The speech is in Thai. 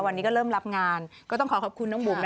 วันนี้ก็เริ่มรับงานก็ต้องขอขอบคุณน้องบุ๋ม